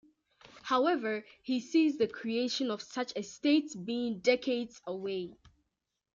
However he sees the creation of such a state being decades away.